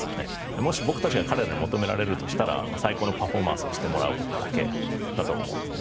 もし、僕たちが彼らに求められるとしたら最高のパフォーマンスをしてもらうことだけだと思うんですね。